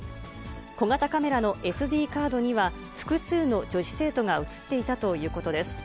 小型カメラのＳＤカードには、複数の女子生徒が写っていたということです。